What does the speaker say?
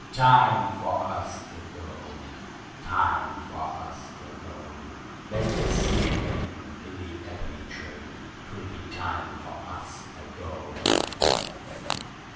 Time for us to go, Time for us to go, Then to sea again, in the ebony trade, 'twill be time for us to go.